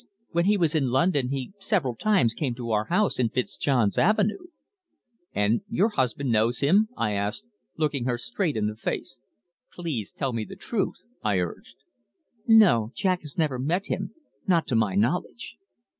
When he was in London he several times came to our house in Fitzjohn's Avenue." "And your husband knows him?" I asked, looking her straight in the face. "Please tell me the truth," I urged. "No. Jack has never met him not to my knowledge."